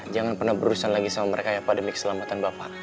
jangan pernah berurusan lagi sama mereka ya pak demi keselamatan bapak